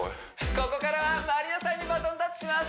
ここからはまりなさんにバトンタッチします